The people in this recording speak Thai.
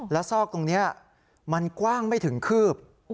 แล้วซอกตรงนี้มันกว้างไม่ถึงคืบ